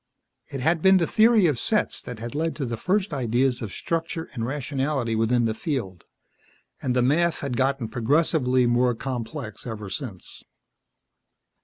It had been the theory of sets that had led to the first ideas of structure and rationality within the field, and the math had gotten progressively more complex ever since.